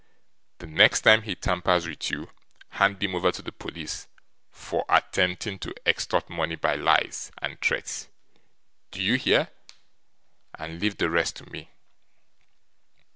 The next time he tampers with you, hand him over to the police, for attempting to extort money by lies and threats, d'ye hear? and leave the rest to me.